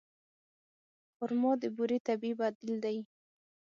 خرما د بوري طبیعي بدیل دی.